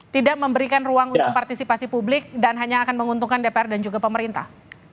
tidak memberikan ruang untuk partisipasi publik dan hanya akan menguntungkan dpr dan juga pemerintah